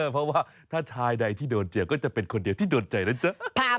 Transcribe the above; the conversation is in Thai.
เพราะว่าถ้าชายใดที่โดนเจียวก็จะเป็นคนเดียวที่โดนใจแล้วเจอ